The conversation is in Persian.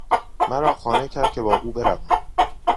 مرا قانع کرد که با او بروم.